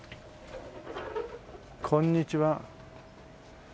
こんにちは。